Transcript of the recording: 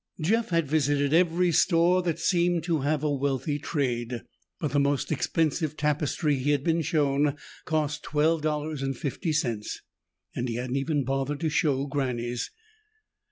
Jeff had visited every store that seemed to have a wealthy trade. But the most expensive tapestry he had been shown cost twelve dollars and fifty cents and he hadn't even bothered to show Granny's.